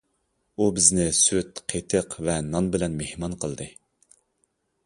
ئۇ بىزنى سۈت، قېتىق ۋە نان بىلەن مېھمان قىلدى.